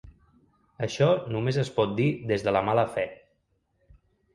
Això només es pot dir des de la mala fe.